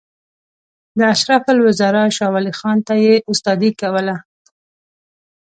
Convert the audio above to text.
د اشرف الوزرا شاولي خان ته یې استادي کوله.